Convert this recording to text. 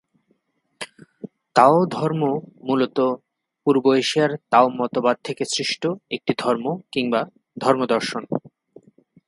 তাও ধর্ম মূলত পূর্ব এশিয়ার তাও মতবাদ থেকে সৃষ্ট একটি ধর্ম কিংবা ধর্ম-দর্শন।